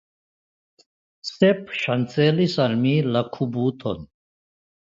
Sep ŝancelis al mi la kubuton.